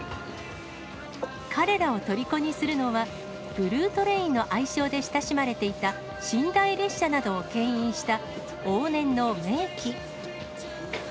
彼らをとりこにするのは、ブルートレインの愛称で親しまれていた寝台列車などをけん引した、往年の名機。